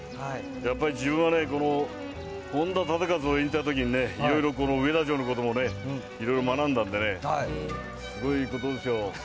やっぱり自分はね、本田忠勝を演じたときに、いろいろ上田城のこともね、いろいろ学んだんでね、すごいことですよ。